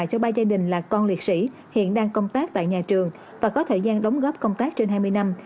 cho ba gia đình là con liệt sĩ hiện đang công tác tại nhà trường và có thời gian đóng góp công tác trên hai mươi năm